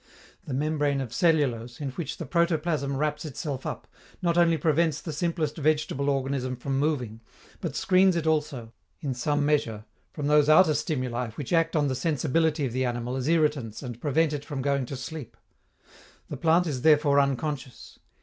The membrane of cellulose, in which the protoplasm wraps itself up, not only prevents the simplest vegetable organism from moving, but screens it also, in some measure, from those outer stimuli which act on the sensibility of the animal as irritants and prevent it from going to sleep. The plant is therefore unconscious.